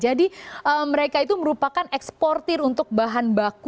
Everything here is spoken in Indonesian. jadi mereka itu merupakan eksportir untuk bahan baku